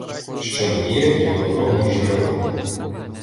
Що не є йодо-бромне джерело